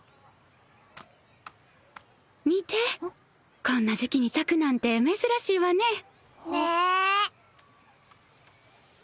見てこんな時期に咲くなんて珍しいわねねえ